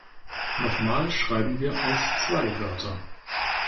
Noch mal schreiben wir als zwei Wörter.